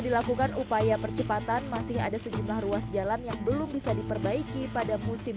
dilakukan upaya percepatan masih ada sejumlah ruas jalan yang belum bisa diperbaiki pada musim